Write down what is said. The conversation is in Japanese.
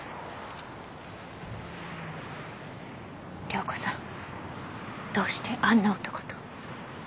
涼子さんどうしてあんな男と？